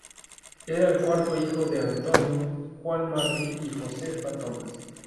Era el cuarto hijo de Antonio Juan Martí y Josefa Tomás.